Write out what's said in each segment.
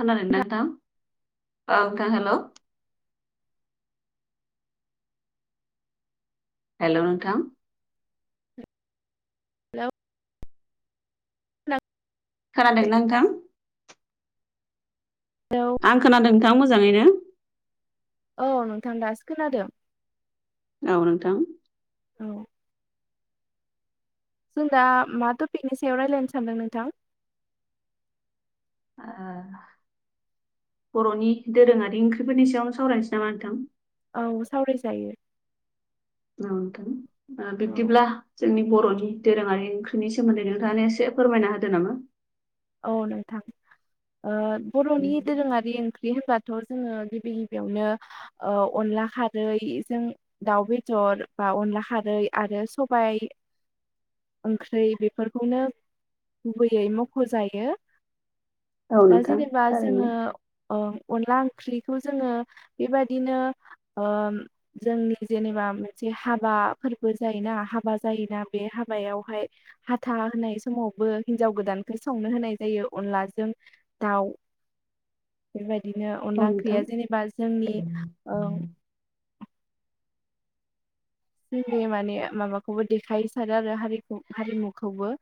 खोनादों ना हेलौ नोंथां औ [unintelligible] हेल' नोंथां हेल' खोनादोंना नोंथां? हेल' आं खोनादों नोंथां मोजाङैनो औ नोंथां दासो खोनादों औ नोंथां औ जों दा मा टपिकनि सायाव रायज्लायनो सानदों नोंथां? ओ बर'नि दोरोङारि ओंख्रिफोरनि सायावनो सावरायनोसै नामा नोंथां? औ सावरायजायो औ नोंथां ओ औ बिदिब्ला जोंनि बर'नि दोरोङारि ओंख्रिनि सोमोन्दै नोंथाङा एसे फोरमायना होदो नामा? औ नोंथां ओ बर'नि दोरोङारि ओं ख्रि होनबाथ' जोङो गिबि गिबियावनो ओ अनला खारैजों दाउ बेदर बा अनला खारै आरो सबाय ओंख्रि बेफोरखौनो गुबैयै मख'जायो। औ दा नोंथां जेनेबा थारैनो जोङो ओ अनला ओंख्रिखौ जोङो बेबादिनो ओ जोंनि जेनेबा मोनसे हाबाफोरबो जायोना हाबा जायोना बे हाबायावहाय हाथा होनाय समावबो हिनजाव गोदान खौ संनो होनाय जायो अनलाजों दाउ बेबायदिनो औ अनला नोंथां। ओंख्रिया जेनेबा जोंनि जोंनि माने माबाखौबो देखाय सारो आरो हारिखौ हारिमुखौबो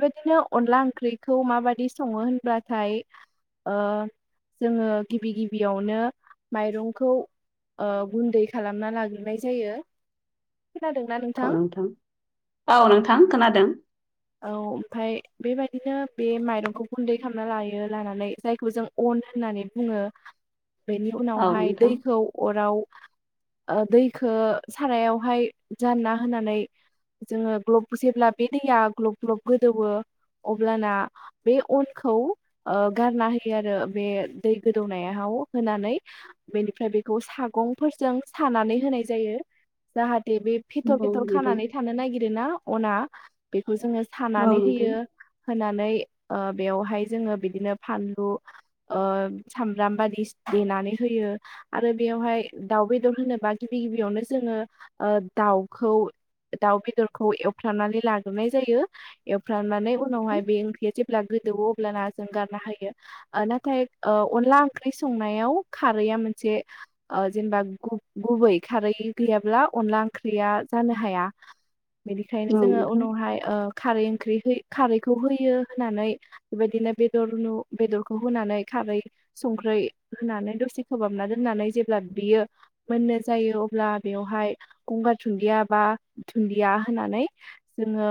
बेबायदिनो अनला ओंख्रिखौ माबादि सङो होनब्लाथाय ओ जोङो गिबि गिबियावनो माइरंखौ ओ गुन्दै खालामना लाग्रोनाय जायो। खोनादोंना नों औ नोंथां औ नोंथां खोनादों औ ओमफ्राय बेबायदिनो बे माइरंखौ गुन्दै खालामना लायो लानानै जायखौ जों अन होननानै बुङो [inaudible] बेनि औ उनावहाय नोंथां। दैखौ अराव ओ दैखौ सारायाव हाय जानना होनानै जोङो ग्लब जेब्ला बे दैया ग्लब ग्लब गोदौवो अब्लाना बे अनखौ ओ गारना होयो आरो बे दै गोदौनायाव होनानै बेनिफ्राय बेखौ सागंफोरजों सानानै होनाय जायो। जाहाथे बे फेथर औ फेथर नोंथां खानानै थानो नागिर ना अना बेखौ जोङो औ सानानै नोंथां होयो होनानै ओ बेवहाय जोङो बिदिनो फानलु ओ सामब्राम बादि देनानै होयो। आरो बेवहाय दाउ बेदर होनोबा गिबि गिबियावनो जोङो ओ दाउखौ दाउ बेदरखौ एवफ्रनानै लाग्रोनाय जायो। एवफ्रामनाने उनावहाय बे ओंख्रिया जेब्ला गोदौवो अब्लाना जों गारना होयो। ओ नाथाय ओ अनला ओंख्रि संनायाव खारैया मोनसे ओ जेनेबा गु-गुबै खारै गैयाबा ब्ला अनला ओंख्रिया जानो हाया बेनिखायनो औ जोङो नोंथां उनावहाय ओ खारै ओंख्रि हो खारैखौ होयो होननानै बेबायदिनो बेदर न बेदरखौ होनानै खारै संख्रै होनानै दसे खोबहाबना दोननानै जेब्ला बियो मोननो जायो अब्ला बेवहाय गंगार दुनदिया बा दुन्दिया होननानै जोङो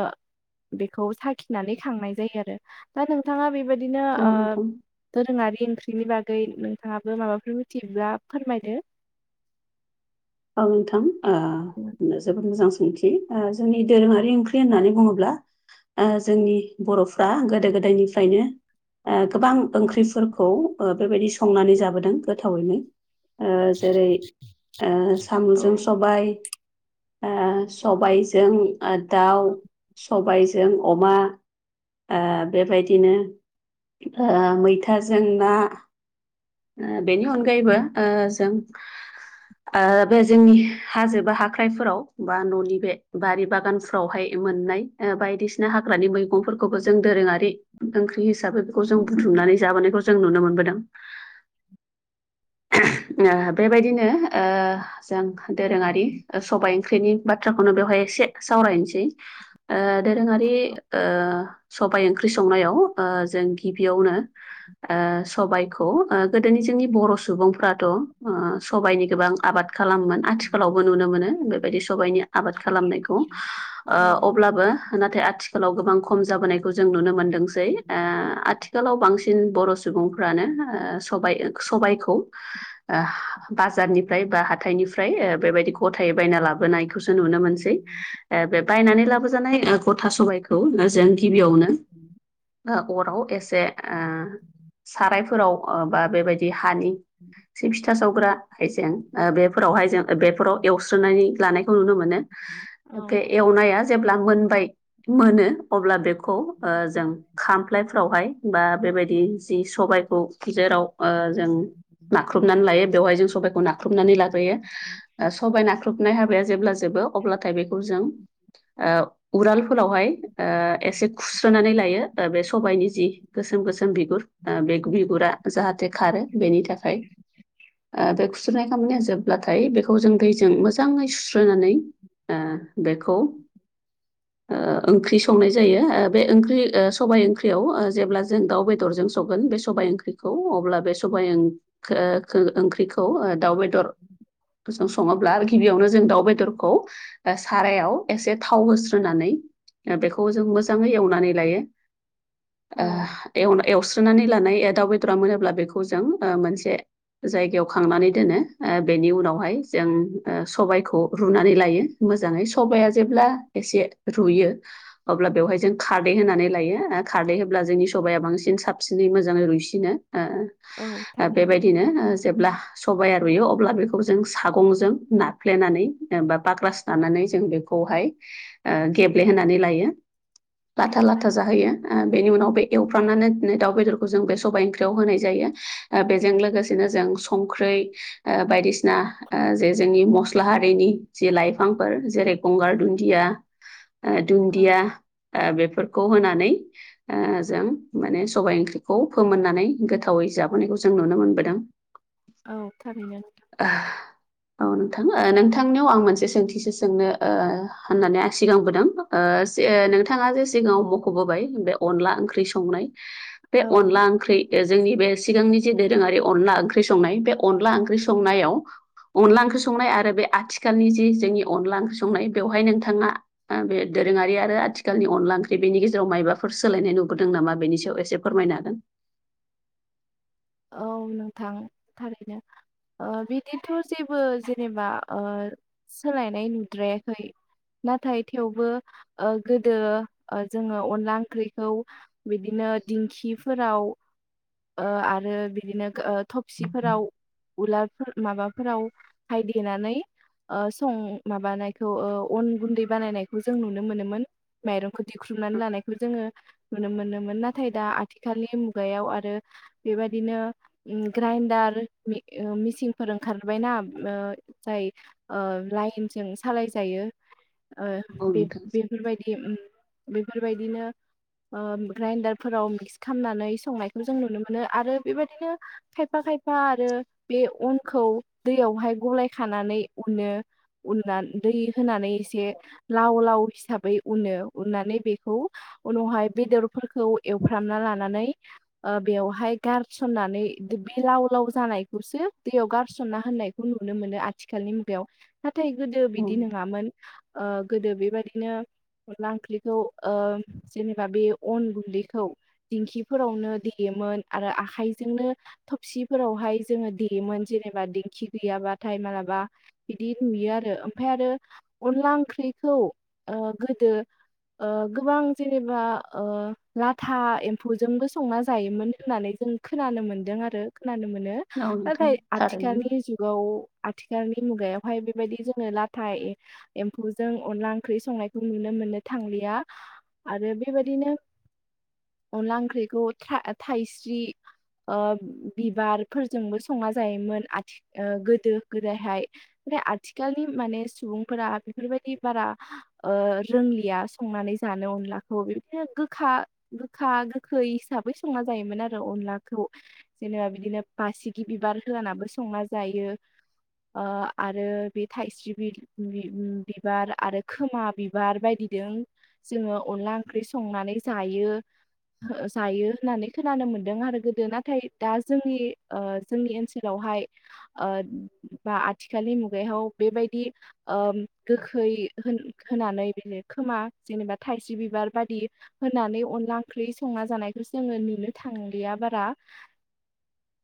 बेखौ साखिनानै खांनाय जायो आरो दा नोंथाङा बेबायदिनो औ ओ नोंथां। दोरोङारि ओंख्रिनि बागै नोंथाङाबो माबाफोर मिथियोब्ला फोरमायदो औ नोंथां औ ओ जोबोद मोजां सोंथि ओ जोंनि दोरोङारि ओंख्रि होननानै बुङोब्ला ओ जोंनि बर'फ्रा गोदो गोदायनिफ्रायनो ओ गोबां ओंख्रिफोरखौ ओ बेबायदि संनानै जाबोदों गोथावैनो ओ जेरै ओ साम'जों औ सब बाय ओ सबायजों दाउ सबायजों जों अमा ओ बेबायदिनो ओ मैथाजों ना ओ बेनि अनगायैबो ओ जों ओ बे जोंनि हाजो बा हाख्राइफोराव बा न'नि बे बारि बागानफ्रावहाय मोननाय ओ बायदिसिना हाग्रानि मैगंफोरखौबो जों दोरोङारि ओंख्रि हिसाबै बेखौ जों बुथ्रुमनानै जाबोनायखौ जों नुनो मोनबोदों। ओ बेबायदिनो ओ जों दोरोङारि सबाय ओंख्रिनि बाथ्राखौनो बेवहाय एसे सावरायनोसै ओ दोरोङारि ओ सबाय ओंख्रि संनायाव ओ जों गिबियावनो ओ सबायखौ ओ गोदोनि जोंनि बर' सुबुं सुबुंफ्राथ' ओ सबायनि गोबां आबाद खालामोन आथिखालावबो नुनो मोनो बेबायदि सबायाइनि आबाद खालामनायखौ ओ औ अब्लाबो नाथाय आथिखालाव गोबां खम जाबोनायखौ जों नुनो मोनदोंसै ओ आथि सोलाव बांसिन बर' सुबुंफ्रानो ओ सबाय सबायखौ ओ बाजारनिफ्राय बा हाथाइनि ओमफ्राय ओ बेबायदि गथायै बायना लाबोनायखौसो नुनो मोनसै ओ बे बायनानै औ लाबोजानाय ओ गथा सबायखौ ओ जों गिबियावनो ओ ओ अराव एसे ओ सारायफोराव ओ बा बेबायदि बे हानि जि फिथा सावग्रा हाइजें ओ बेफोरावहाय जों ओ बेफोराव एवस्रोनानै लानायखौ नुनो मोनो बे एवनाया जेब्ला मोनबाय मोनो अब्ला बेखौ ओ जों खामफ्लायफ्रावहाय बा बेबायदि जि सबायखौ जेराव ओ जों नाख्रुबनानै लायो बेवहाय जों सबाइखौ नाख्रुबनानै लाग्रोयो। ओ सबाय नाख्रुबनाय हाबाया जेब्ला जोबो अब्लाथाय बेखौ जों ओ उरालफोरावहाय ओ एसे खुस्रोनानै लायो ओ बे सबाइनि जि गोसोम गोसोम बिगुर ओ बे बिगुरा जाहाथे खारो बेनि थाखाय ओ बे खुस्रुनाय खामानिया जोबब्लाथाय बेखौ जों दैजों मोजाङै सुस्रोनानै ओ बेखौ ओ ओंख्रि संनाय जायो ओ बे ओंख्रि ओ सबाय ओंख्रियाव ओ जेब्ला जों दाउ बेदरजों संगोन बे सबाय ओंख्रिखौ अब्ला बे सबाय ओं खो ओ खो ओंख्रिखौ ओ दाउ बेदर खो जों सङोब्ला आरो गिबियावनो जों दाउ बेदरखौ दा सारायाव एसे थाव होस्रोनानै ओ बेखौ जों मोजाङै एवनानै लायो। ओ एव‌ ना एवस्रोनानै लानाय ओ दाव बेद फुरा मोनोब्ला बेखौ जों ओ मोनसे जायगायाव खांनानै दोनो ओ बेनि उनावहाय जों ओ सबायखौ रुनानै लायो। मोजाङै सबाइआ जेब्ला एसे रुयो अब्ला बेवहाय जों खारदै होनानै लायो ओ खारदै होब्ला जोंनि सबाया बांसिन साबसिनै मोजाङै रुइसिनो। ओ औ ओ थारैनो बेबायदिनो ओ जेब्ला सबाया रुइयो अब्ला बेखौ जों सागंजों नाफ्लेनानै बा बाग्रास लानानै जों बेखौहाय ओ गेब्लेहोनानै लायो। औ लाथा लाथा जाहैयो ओ बेनि उनाव बे एवफ्रामनानै इदिनो दाउ बेदरखौ जों बे सबाय ओंख ख्रियाव होनाय जायो बेजों लोगोसेनो जों संख्रै ओ बायदिसिना ओ जे जोंनि मस्लाहारिनि जि लाइफांफोर जेरै गंगार दुन्दिया ओ औ दुन्दिया ओ बेफोरखौ होनानै ओ जों माने सबाय ओंख्रिखौ फोमोननानै गोथावै जाबोनायखौ जों नुनो मोनबोदों। औ थारैनो नोंथां। वोहो औ नोंथां ओ नोंथांनियाव आं मोनसे सोंथिसो सोंनो ओ होननानै आं सिगांबोदों ओ से नोंथाङा जे सिगाङाव मख'बोबाय बे अनला ओंख्रि संनाय बे औ अनला ओंख्रि ओ जोंनि बे सिगांनि जे दोरोङारि अनला ओंख्रि संनाय बे अनला ओंख्रि संनायाव अनला ओंख्रि संनाय आरो बे आथिखालनि जे जोंनि अनला ओंख्रि संनाय बेवहाय नोंथाङा ओ बे दोरोङारि आरो आथिखालनि अनला ओंख्रि बेनि गेजेराव मायबाफोर सोलायनाय नुबोदों नामा बेनि स सायाव एसे फोरमायनो हागोन औ नोंथां थारैनो ओ बिदिथ' जेबो जेनेबा ओ सोलायनाय नुद्रायाखै नाथाय थेवबो ओ गोदो ओ जोङो अनला ओंख्रिखौ बिदिनो दिंखिफोराव ओ आर रो बिदिनो गो ओ थबसिफोराव उलारफोर माबाफोराव फाय देनानै ओ सं माबानायखौ ओ अन गुन्दै बानायनायखौ जों नुनो मोनोमोन। माइरंखौ दिेख्रुबनानै लानायखौ जोङो नुनो मोनोमोन नाथाय दा आथिखालनि मुगायाव आरो बेबायदिनो उम ग्राइन्डार मि ओ मिचिनफोर ओंखारबायना उम जाय ओ लाइनजों सालाय जायो ओ औ बेफ बेफ नोंथां बेफोरबायदि बेफोरबायदिनो ग्राइडारफोराव मिक्स खालामनानै संनायखौ जों नुनो मोनो आरो बेबायदिनो खायफा खायफा आरो उननानै दै होनानै एसे लाव लाव हिसाबै उनो उननानै बेखौ उनावहाय बेदरफोरखौ एवफ्रामना लानानै बेवहाय गारसननानै बे लाव लाव जानायखौसो दैयाव गारसनना होननायखौ नुनो मोनो आ आथिखालनि मुगायाव नाथाय गोदो औ बिदि नङामोन गोदो बेबादिनो अनला ओंख्रिखौ जेनेबा बे अन गुन्दैखौ दिंखिफोरावनो देयोमोन आरो आखाइजोंनो थबसिफोरावहाय जोङो देयोमोन जेनेबा दिेंखि गैयाबाथाय मालाबा बिदि नुयो आरो ओमफ्राय आरो अनला ओंख्रिखौ गोदो गोबां जेनेबा लाथा एम्फौजोंबो संना जायोमोन। होननानै जों खोनानो मोनदों आरो खोनानो मोनो औ नोंथां नाथाय थारैनो आथिखालनि जुगाव आथिखालनि मुगायावहाय बेबायदि जोङो लाथा एम्फौजों अनला ओंख्रि संनायखौ नुनो मोननो थांलिया आरो बेबायदिनो अनला ओंख्रिखौ थाइस्रि ओ बिबारफोरजोंबो संना जायोमोन आथि गोदो गोदायहाय बे आथिखालनि माने सुबुंफोरा बेफोरबायदि बारा रोंलिया संनानै जानो अनलाखौ बिदिनो गोखा गोखा गोखै हिसाबै संना जायोमोन आरो अनलाखौ जेनेबा बिदिनो मासिगि बिबार होआानाबो संना जायो। आरो बे थाइस्रि बिल बिबार आरो खोमा बिबार बायदिदों जोङो अनला ओंख्रि संनानै जायो जायो। होननानै खोनानो मोनदों आरो गोदो नाथाय दा जोंनि जोंनि ओनसोलावहाय ओ बा आथिखालनि मुगायाव बेबायदि गोखै होन होनानै बि खोमा जेनेबा थाइसे बिबार बायदि होननानै अनला ओंख्रि संना जानायखौ जोङो नुनो थांलिया बारा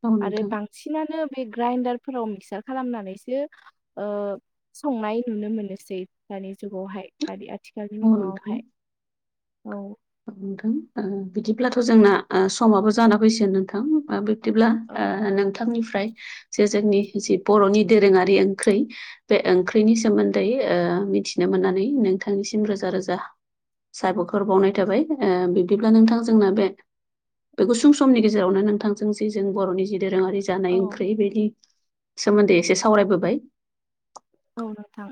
औ आरो नोंथां बांसिन बांसिनानो बे ग्राइन्डारफोराव मिक्सार खालामनानैसो संनाय नुनो मोनोसै दानि जुगावहाय बादि आथिखालनि औ नोंथां मुगङावहाय औ नोंथां बिदिब्लाथ' जोंना समाबो जाना फैगोन नोंथां बे बिदिब्ला औ नोंथांनिफ्राय जे जोंनि जि बर'नि दोरोङारि ओंख्रि बे ओंख्रिनि सोमोन्दै मिथिनो मोननानै नोंथांनिसिम रोजा रोजा। साबायखर बावनाय थाबाय बिब्दिब्ला नोंथां जोंना बे बे गुसुं समनि गेजेरावनो नोंथांजों जे जों बर'नि जि दोरोङारि औ जानाय ओंख्रि बेनि सोमोन्दै एसे सावरायबोबाय औ नोंथां।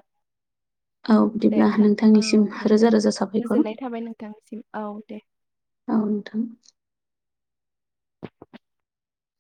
औ दे बिदिब्ला था औ नोंथांनिसिम दे रोजा रोजा साबायखर गोजोननाय थाबाय नोंथांसिम औ दे औ नोंथां।